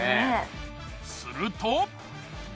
すると。